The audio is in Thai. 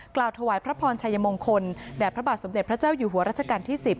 กล่าวถวายพระพรชัยมงคลแด่พระบาทสมเด็จพระเจ้าอยู่หัวรัชกาลที่๑๐